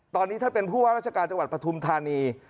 ตอนนี้ท่านเป็นผู้ว่าราชการจังหวัดปฐุมธานี